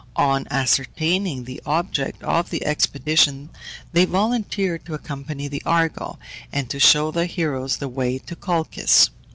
On ascertaining the object of the expedition they volunteered to accompany the Argo, and to show the heroes the way to Colchis.